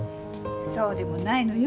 そうでもないのよ。